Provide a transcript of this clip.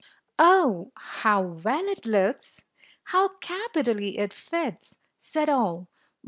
"Oh, how well it looks! How capitally it fits!" said all.